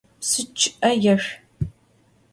Psı ççı'e yêşsu!